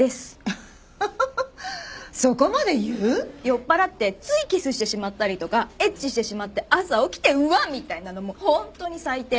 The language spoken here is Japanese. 酔っぱらってついキスしてしまったりとかエッチしてしまって朝起きて「うわっ」みたいなのもホントに最低。